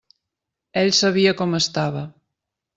Ell sabia com estava!